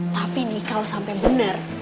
tapi kalau ini benar